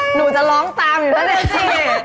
หนูจะร้องตามอยู่แล้วนะ